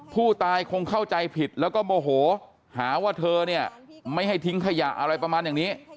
ผู้ตายคงเข้าใจผิดแล้วก็โมโหหาว่าเธอเนี่ยไม่ให้ทิ้งขยะอะไรประมาณอย่างนี้